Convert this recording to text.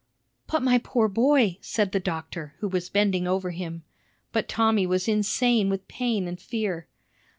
"But, my poor boy," said the doctor, who was bending over him. But Tommy was insane with pain and fear.